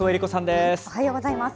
おはようございます。